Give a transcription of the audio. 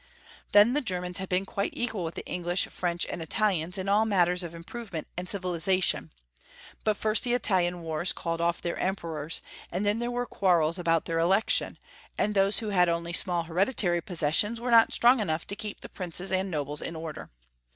Then the Germans had been quite equal with the English, French, and Italians in all matters of improvement and civilization, but first the Italian wars called oflf their Emperors, and then there were quarrels about their election, and those who had only small hereditary possessions were not strong enough to keep the princes and nobles in order.